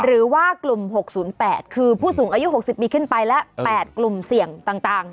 หรือว่ากลุ่ม๖๐๘คือผู้สูงอายุ๖๐ปีขึ้นไปและ๘กลุ่มเสี่ยงต่าง